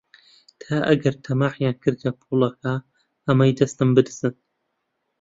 تا ئەگەر تەماحیان کردە پووڵەکە، ئەمەی دەستم بدزن